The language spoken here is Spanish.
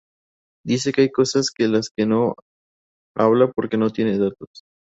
Dice que hay cosas de las que no habla porque no tiene datos.